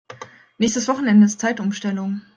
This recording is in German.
Nächstes Wochenende ist Zeitumstellung.